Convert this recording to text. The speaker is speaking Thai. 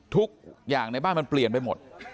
ทุกอย่างในบ้านมันเปลี่ยนไปหมด